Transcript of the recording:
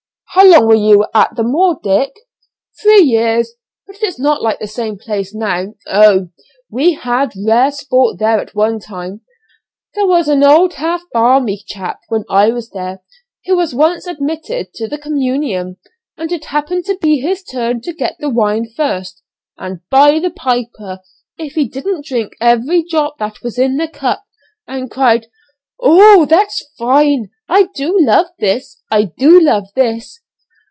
"How long were you at the Moor, Dick?" "Three years; but it's not like the same place now. Oh! we had rare sport there at one time. There was an old half 'barmey' chap when I was there, who was once admitted to the 'communion,' and it happened to be his turn to get the wine first, and, by the piper! if he didn't drink every drop that was in the cup, and cried, 'Oh! that's fine! I do love this! I do love this!'